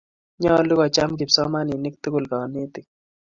Nyolu kocham kipsomaninik tukul kanetik